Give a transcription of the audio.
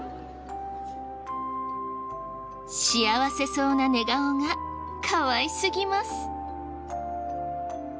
幸せそうな寝顔がかわいすぎます。